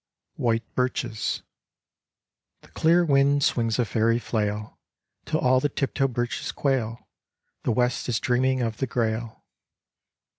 White Birches The clear wind swings a fairy flail Till all the tiptoe birches quail. The west is dreaming of the Grail.